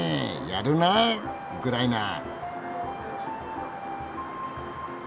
やるなウクライナ！